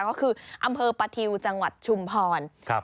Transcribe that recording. ก็คืออำเภอประทิวจังหวัดชุมพร